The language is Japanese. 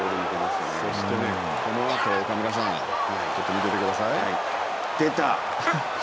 そして、このあと岡村さん。ちょっと見ててください。出た。